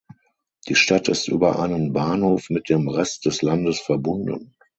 Die Stadt ist über einen Bahnhof mit dem Rest des Landes verbunden.